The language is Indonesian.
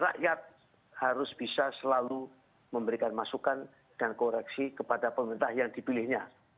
rakyat harus bisa selalu memberikan masukan dan koreksi kepada pemerintah yang dipilihnya